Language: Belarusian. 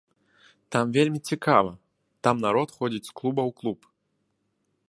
Там вельмі цікава, там народ ходзіць з клуба ў клуб.